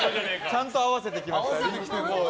ちゃんと合わせてきました。